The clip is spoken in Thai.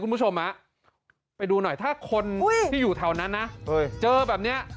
คุณผู้ชมไปดูหน่อยถ้าคนที่อยู่แถวนั้นนะเจอแบบนี้